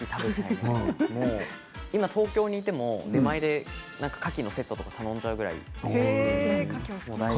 今、東京にいても出前でかきのセットとか頼んじゃうぐらい。